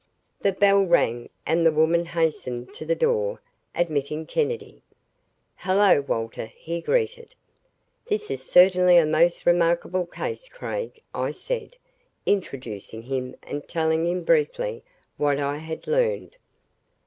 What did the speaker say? The bell rang and the woman hastened to the door admitting Kennedy. "Hello, Walter," he greeted. "This is certainly a most remarkable case, Craig," I said, introducing him, and telling briefly what I had learned.